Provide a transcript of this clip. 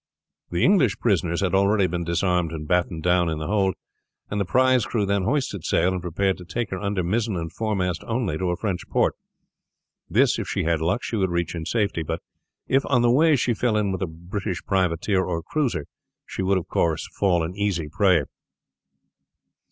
The English prisoners had already been disarmed and battened down in the hold, and the prize crew then hoisted sail and prepared to take her under mizzen and foremast only to a French port. This, if she had luck, she would reach in safety, but if on the way she fell in with a British privateer or cruiser she would of course fall an easy prey.